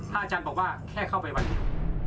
พระอาจารย์บอกว่าแค่เข้าไปวันนี้